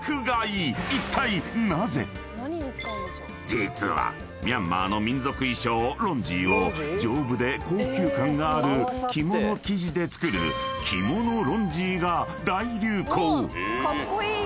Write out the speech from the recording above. ［実はミャンマーの民族衣装ロンジーを丈夫で高級感がある着物生地で作る着物ロンジーが大流行！］